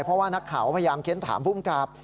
เพราะว่านักข่าวพยายามเค้นถามภูมิกับ